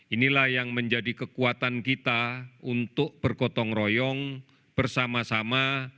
inilah yang menjadi kekuatan kita untuk bergotong royong bersama sama